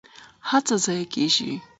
هڅه ضایع کیږي؟